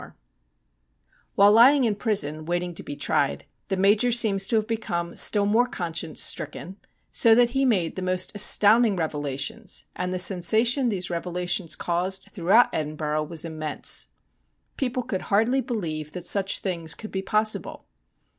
6 STORIES WEIRD AND WONDERFUL While lying in prison waiting to be tried, the Major seems to have become still more conscience stricken, so that he made the most astounding revelations, and the sensation 'these revelations caused throughout Edinburgh was immense. People could hardly believe that such things could be possible.